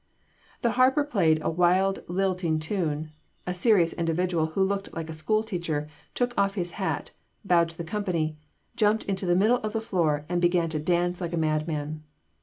The harper played a wild lilting tune; a serious individual who looked like a school teacher took off his hat, bowed to the company, jumped into the middle of the floor, and began to dance like a madman.